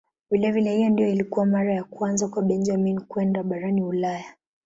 Vilevile hii ndiyo ilikuwa mara ya kwanza kwa Benjamin kwenda barani Ulaya.